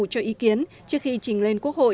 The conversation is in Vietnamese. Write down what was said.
cho ý kiến trước khi trình lên quốc hội